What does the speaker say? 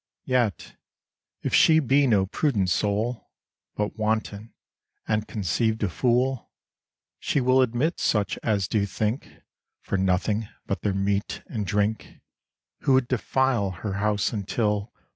Yet, if she be no prudent soul, But wanton, and concciv'd a fool, She will admit such as do think For nothing but their meat and drink. Who would defile her house until.